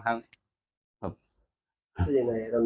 อ๋อดีใจครับ